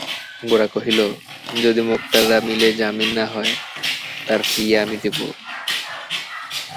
গোরা কহিল, যদি মোক্তাররা মিলে জামিন হয় তার ফী আমি দেব।